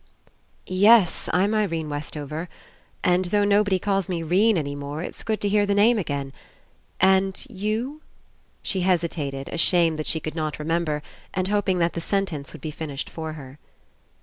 "Yes, I'm Irene Westover. And though nobody calls me 'Rene any more, it's good to hear the name again. And you —" She hesi tated, ashamed that she could not remember, and hoping that the sentence would be finished for her.